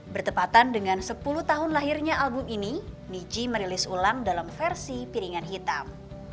bertepatan dengan sepuluh tahun lahirnya album ini niji merilis ulang dalam versi piringan hitam